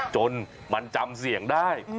จนมันจำเสี่ยงได้